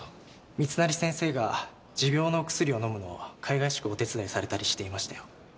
密成先生が持病のお薬を飲むのをかいがいしくお手伝いされたりしていましたよ。